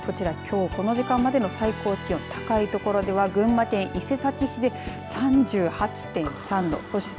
こちらきょうこの時間までの最高気温高いところでは群馬県伊勢崎市で３８．３度。